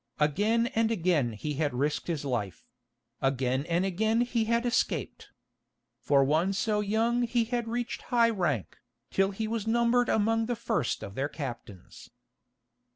Again and again he had risked his life; again and again he had escaped. For one so young he had reached high rank, till he was numbered among the first of their captains.